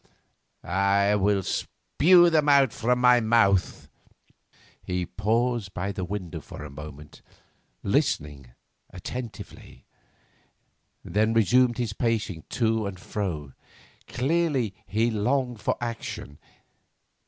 I will spue them out of my mouth!' He paused by the window a moment, listened attentively, then resumed his pacing to and fro. Clearly, he longed for action.